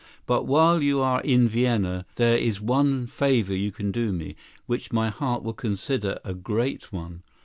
But while you are in Vienna, there is one favor you can do me, which my heart will consider a great one.